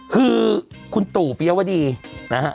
คือคุณตู่ปิยวดีนะฮะ